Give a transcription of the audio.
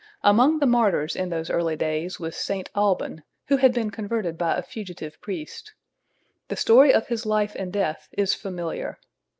Among the martyrs in those early days was St. Alban, who had been converted by a fugitive priest. The story of his life and death is familiar.